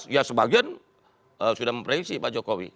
dua ribu empat belas ya sebagian sudah mempereisi pak jokowi